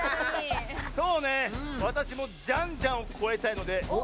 そうねわたしもジャンジャンをこえたいのでお！